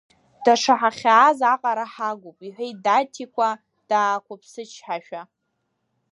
Даҽа ҳахьааз аҟара ҳагуп, – иҳәеит Даҭикәа, даақәыԥсычҳашәа.